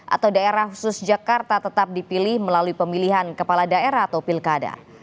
atau daerah khusus jakarta tetap dipilih melalui pemilihan kepala daerah atau pilkada